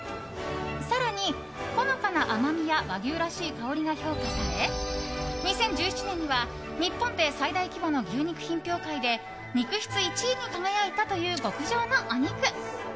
更に、ほのかな甘みや和牛らしい香りが評価され２０１７年には日本で最大規模の牛肉品評会で肉質１位に輝いたという極上のお肉。